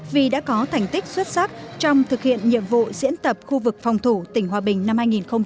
vì đã có thành tích xuất sắc trong thực hiện nhiệm vụ diễn tập khu vực phòng thủ tỉnh hòa bình năm hai nghìn một mươi tám